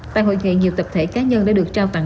tại hội nghị nhiều tập thể cá nhân đã được trao tặng